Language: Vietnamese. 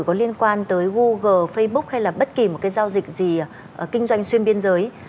có liên quan tới google facebook hay là bất kỳ một cái giao dịch gì kinh doanh xuyên biên giới